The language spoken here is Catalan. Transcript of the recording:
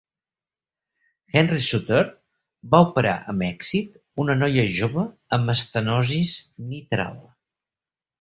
Henry Souttar va operar amb èxit una noia jove amb estenosis mitral.